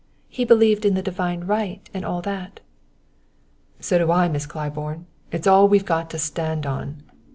"He believed in the divine right and all that." "So do I, Miss Claiborne. It's all we've got to stand on!"